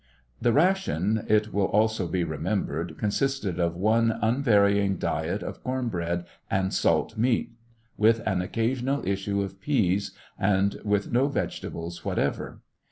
The ration, it will also be remembered, consisted of one unvarying diet of corn bread and salt meat, with an occasional issue of peas, and with no vegetables whatever.